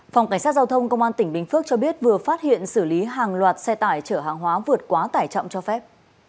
phòng cảnh sát giao thông công an tỉnh bình phước cho biết vừa phát hiện xử lý hàng loạt xe tải chở hàng hóa vượt quá tải trọng cho phép